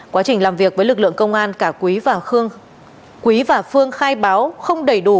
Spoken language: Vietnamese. quá trình làm việc với lực lượng công an cả quý và phương khai báo không đầy đủ